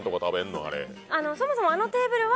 そもそもあのテーブルは